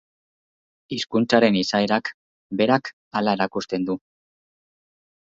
Hizkuntzaren izaerak berak hala erakusten du.